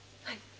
はい。